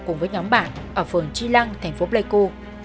cùng với nhóm bạn ở phường chi lăng thành phố pleiku